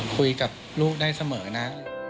คุยกับลูกได้เสมอนะ